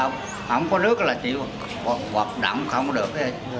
không có nước là chịu hoạt động không có được